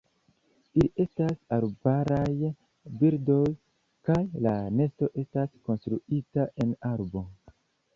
Ili estas arbaraj birdoj, kaj la nesto estas konstruita en arbo.